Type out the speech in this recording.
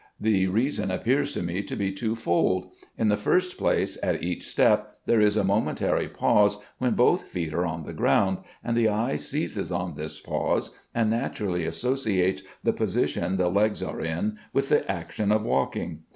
The reason appears to me to be twofold; in the first place, at each step there is a momentary pause when both feet are on the ground; and the eye seizes on this pause, and naturally associates the position the legs are in with the action of walking.